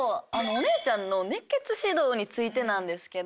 お姉ちゃんの熱血指導についてなんですけど。